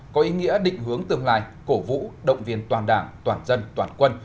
có ý nghĩa định hướng tương lai cổ vũ động viên toàn đảng toàn dân toàn quân